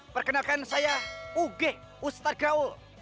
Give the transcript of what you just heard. perkenalkan saya ug ustadz grawl